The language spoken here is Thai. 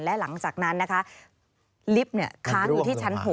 และหลังจากนั้นนะคะลิฟต์ค้างอยู่ที่ชั้น๖